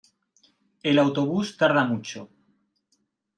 El autobús tarda mucho.